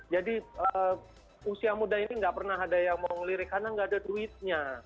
jadi usia muda ini tidak pernah ada yang mau ngelirik karena tidak ada duitnya